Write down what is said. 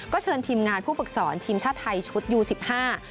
เชิญทีมงานผู้ฝึกสอนทีมชาติไทยชุดยูสิบห้า